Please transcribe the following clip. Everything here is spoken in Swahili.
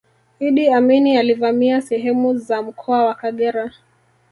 iddi amini alivamia sehemu za mkoa wa kagera